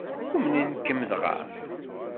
Umnen-kem dɣa?